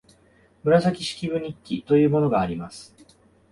「紫式部日記」というのがあります